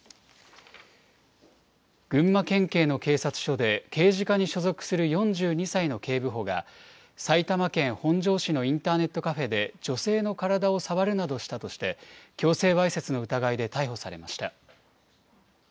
群馬県警の警察署で、刑事課に所属する４２歳の警部補が、埼玉県本庄市のインターネットカフェで、女性の体を触るなどしたとして、強制わいせつの疑いで逮捕されました。